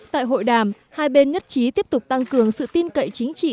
tại hội đàm hai bên nhất trí tiếp tục tăng cường sự tin cậy chính trị